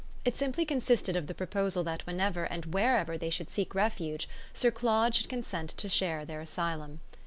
It simply consisted of the proposal that whenever and wherever they should seek refuge Sir Claude should consent to share their asylum.